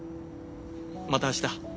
また明日。